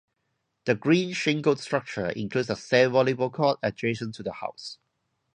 The green-shingled structure includes a sand volleyball court adjacent to the house.